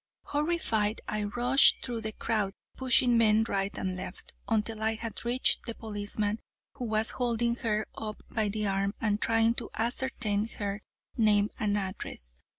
Horrified, I rushed through the crowd, pushing men right and left, until I had reached the policeman, who was holding her up by the arm and trying to ascertain her name and address.